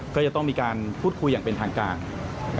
ก็จะต้องมีการพูดคุยอย่างเป็นทางการ